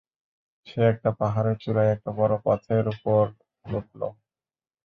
সে একটা পাহাড়ের চূড়ায় একটা বড় পথের উপর উঠলো।